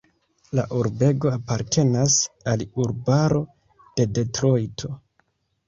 La urbego apartenas al urbaro de Detrojto.